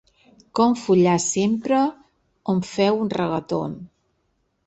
Com ‘Follar sempre’, on feu un reggaeton.